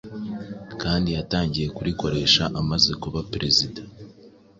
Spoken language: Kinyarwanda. kandi yatangiye kurikoresha amaze kuba Perezida.